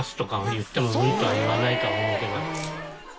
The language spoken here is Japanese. いっても「うん」とは言わないと思うけど。